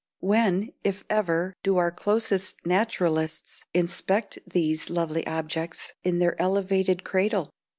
When, if ever, do our closet naturalists inspect these lovely objects in their elevated cradle?